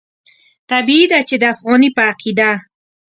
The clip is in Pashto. طبیعي ده چې د افغاني په عقیده.